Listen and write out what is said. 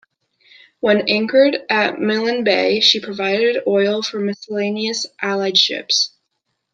When anchored at Milne Bay, she provided oil for miscellaneous Allied ships.